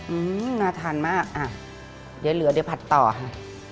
อืมน่าทานมากอ่ะเดี๋ยวเหลือเดี๋ยวผัดต่อค่ะ